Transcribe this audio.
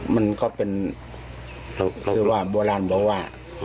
มันก็เป็นที่ว่าโบราณบอกว่า